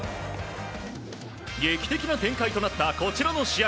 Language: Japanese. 劇的な展開となったこちらの試合。